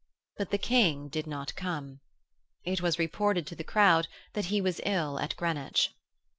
But the King did not come. It was reported to the crowd that he was ill at Greenwich.